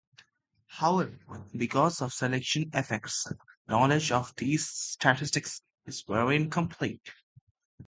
However, because of selection effects, knowledge of these statistics is very incomplete.